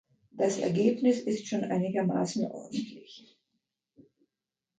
Das Ergebnis ist schon einigermaßen ordentlich.